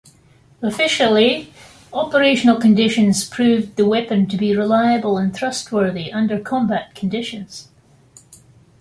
Officially, operational conditions proved the weapon to be reliable and trustworthy under combat conditions.